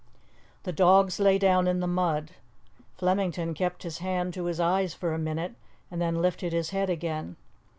The dogs lay down in the mud. Flemington kept his hand to his eyes for a minute, and then lifted his head again.